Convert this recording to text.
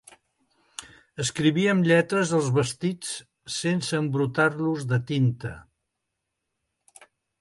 Escrivíem lletres als vestits sense embrutar-los de tinta.